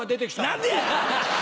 何でや！